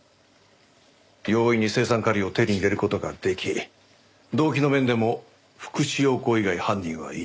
容易に青酸カリを手に入れる事ができ動機の面でも福地陽子以外犯人はいない。